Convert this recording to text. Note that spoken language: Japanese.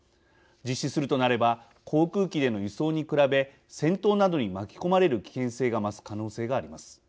実施するとなれば航空機での輸送に比べ戦闘などに巻き込まれる危険性が増す可能性があります。